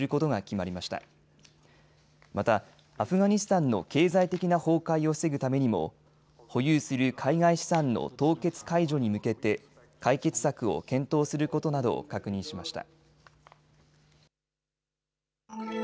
またアフガニスタンの経済的な崩壊を防ぐためにも保有する海外資産の凍結解除に向けて解決策を検討することなどを確認しました。